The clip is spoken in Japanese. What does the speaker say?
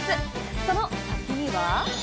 その先には。